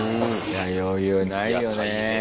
いや余裕ないよね。